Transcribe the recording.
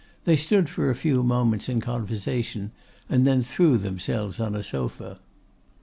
They stood for a few moments in conversation, and then threw themselves on a sofa.